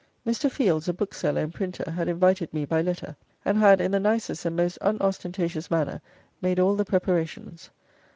Mr. Fields, a bookseller and printer, had invited me by letter, and had, in the nicest and most unostentatious manner, made all the preparations.